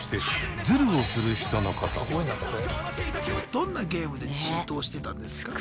どんなゲームでチートをしてたんですか？